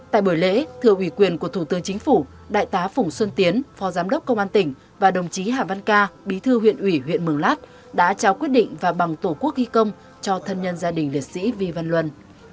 tại buổi lễ thưa ủy quyền của thủ tướng chính phủ đại tá phủng xuân tiến phó giám đốc công an tỉnh và đồng chí hà văn ca bí thư huyện ủy huyện mường lát đã trao quyết định và bằng tổ quốc ghi công cho thân nhân gia đình liệt sĩ vy văn luân